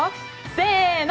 せーの。